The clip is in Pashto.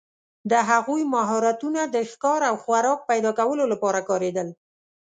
د هغوی مهارتونه د ښکار او خوراک پیداکولو لپاره کارېدل.